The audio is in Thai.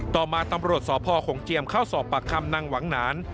ต่อมาตำรวจสพหงเจียมเข้าสอบปากคำนางหวังหนาน